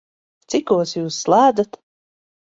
Cikos Jūs slēdzat?